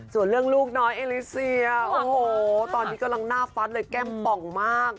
ส่วนเรื่องลูกน้อยเอลิเซียโอ้โหตอนนี้กำลังหน้าฟัดเลยแก้มป่องมาก